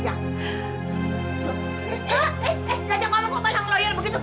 eh eh kakak mama kok balang loyal begitu